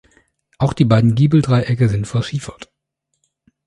Auch die beiden Giebeldreiecke sind verschiefert.